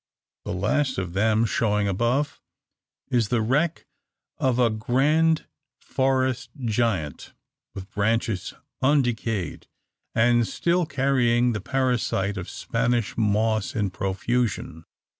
The last of them showing above, is the wreck of a grand forest giant, with branches undecayed, and still carrying the parasite of Spanish moss in profusion.